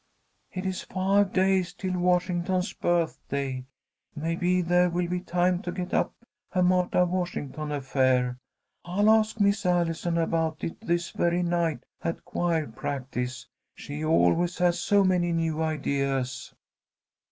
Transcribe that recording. "It is five days till Washington's Birthday. Maybe there will be time to get up a Martha Washington affair. I'll ask Miss Allison about it this very night at choir practice. She always has so many new ideas."